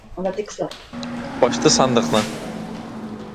Ачты сандыкны.